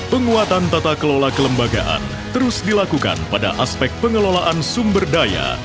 penguatan tata kelola kelembagaan terus dilakukan pada aspek pengelolaan sumber daya